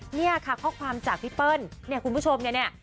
เนี่ยค่ะข้อความจากพี่เปิ้ลเนี่ยคุณผู้ชมไงเนี่ย